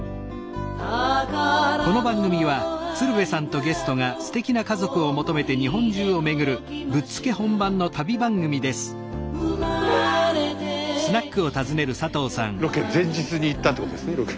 スタジオロケ前日に行ったってことですね。